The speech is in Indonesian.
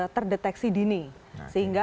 terdeteksi dini sehingga